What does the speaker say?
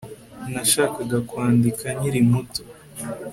nashakaga kwandika nkiri muto